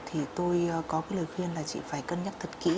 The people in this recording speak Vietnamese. thì tôi có cái lời khuyên là chị phải cân nhắc thật kỹ